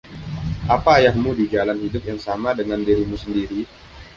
Apa ayahmu di jalan hidup yang sama dengan dirimu sendiri?